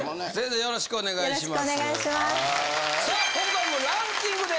よろしくお願いします。